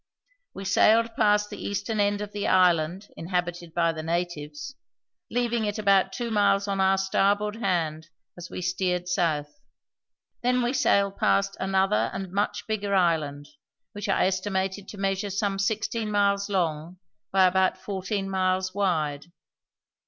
We sailed past the eastern end of the island inhabited by the natives, leaving it about two miles on our starboard hand as we steered south; then we sailed past another and much bigger island, which I estimated to measure some sixteen miles long by about fourteen miles wide.